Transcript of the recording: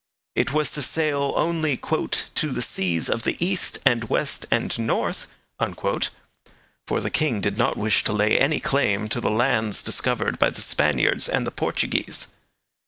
It was to sail only 'to the seas of the east and west and north,' for the king did not wish to lay any claim to the lands discovered by the Spaniards and Portuguese.